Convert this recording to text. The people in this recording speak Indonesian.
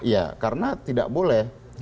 iya karena tidak boleh